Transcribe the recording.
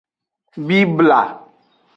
Bibla.